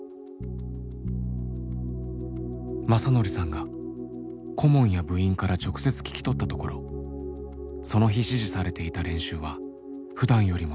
正則さんが顧問や部員から直接聞き取ったところその日指示されていた練習はふだんよりも長い３時間。